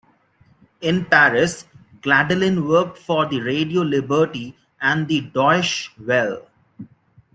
In Paris, Gladilin worked for the Radio Liberty and the Deutsche Welle.